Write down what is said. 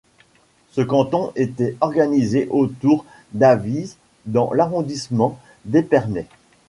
Ce canton était organisé autour d'Avize dans l'arrondissement d'Épernay.